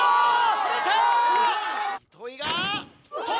触れた！